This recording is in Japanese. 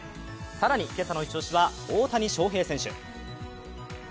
更に今朝のイチ押しは大谷翔平選手。